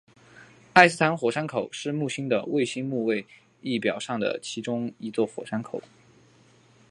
埃斯坦火山口是木星的卫星木卫一表面上的其中一座火山口。